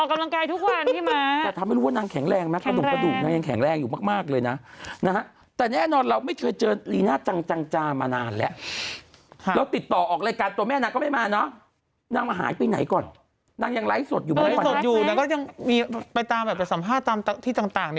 ออกกำลังกายทุกวันพี่ม้าแต่ถ้าไม่รู้ว่านางแข็งแรงมั้ยกระดุ่มกระดุ่มนางยังแข็งแรงอยู่มากมากเลยนะนะฮะแต่แน่นอนเราไม่เคยเจอรีน่าจังจังจามานานแล้วแล้วติดต่อออกรายการตัวแม่นางก็ไม่มาเนอะนางมาหายไปไหนก่อนนางยังไลฟ์สดอยู่ไหมไลฟ์สดอยู่แล้วก็ยังมีไปตามแบบไปสัมภาษณ์ตามที่ต่างต่าง